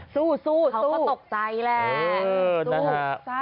สู้เขาก็ตกใจแหละ